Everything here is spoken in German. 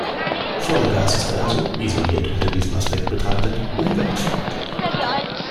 Vollgas ist also – isoliert unter diesem Aspekt betrachtet – umweltfreundlich.